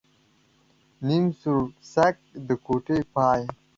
نيم سوړسک ، د کوټې پاى.